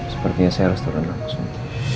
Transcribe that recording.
sepertinya saya harus turun langsung